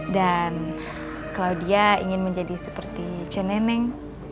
dan claudia ingin menjadi seperti cneneng